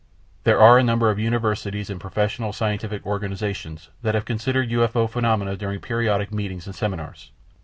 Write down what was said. There are a number of universities and professional scientific organizations that have considered UFO phenomena during periodic meetings and seminars.